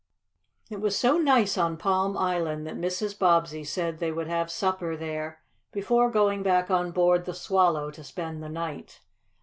It was so nice on Palm Island that Mrs. Bobbsey said they would have supper there, before going back on board the Swallow to spend the night.